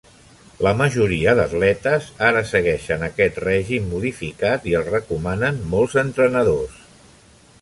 La majoria d'atletes ara segueixen aquest règim modificat i el recomanen molts entrenadors.